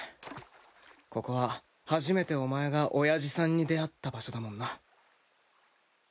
ここは初めてお前が親父さんに出会った場所だもんな。